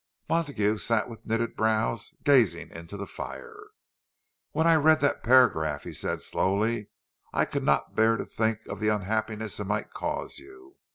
Montague sat with knitted brows, gazing into the fire. "When I read that paragraph," he said slowly. "I could not bear to think of the unhappiness it might cause you.